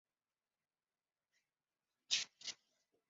担任南京大学教授。